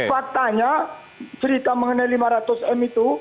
faktanya cerita mengenai lima ratus m itu